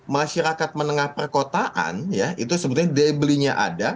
masyarakat menengah perkotaan ya itu sebetulnya daya belinya ada